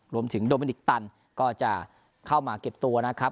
โดมินิกตันก็จะเข้ามาเก็บตัวนะครับ